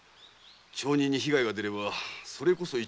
町人に被害が出ればそれこそ一大事ですので。